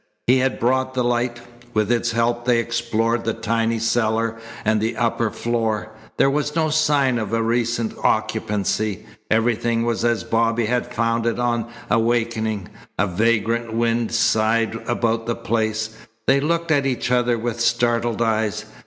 He had brought the light. With its help they explored the tiny cellar and the upper floor. There was no sign of a recent occupancy. Everything was as Bobby had found it on awakening. A vagrant wind sighed about the place. They looked at each other with startled eyes.